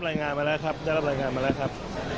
ใช่ครับได้รับรายงานมาแล้วครับ